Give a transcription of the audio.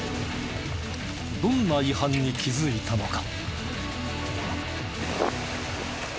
どんな違反に気づいたのか？